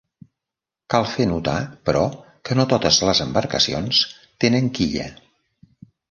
Cal fer notar, però, que no totes les embarcacions tenen quilla.